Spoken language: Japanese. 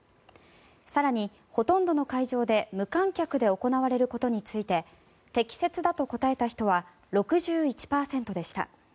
更に、ほとんどの会場で無観客で行われることについて適切だと答えた人は６１％でした。